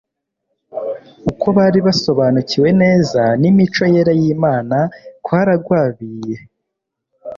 uko bari basobanukiwe neza n'imico yera y'imana kwaragwabiye